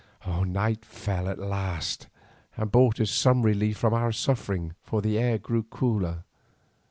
Night fell at last and brought us some relief from our sufferings, for the air grew cooler.